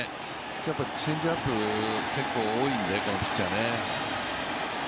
チェンジアップ結構多いんでこのピッチャーね。